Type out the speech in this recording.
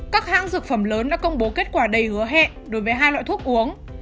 các hãng dược phẩm lớn đã công bố kết quả đầy hứa hẹn đối với hai loại thuốc uống